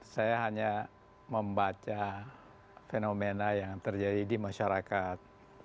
saya hanya membaca fenomena yang terjadi di masyarakat